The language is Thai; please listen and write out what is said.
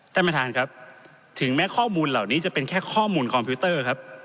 ท่านประธานครับถึงแม้ข้อมูลเหล่านี้จะเป็นแค่ข้อมูลคอมพิวเตอร์ครับ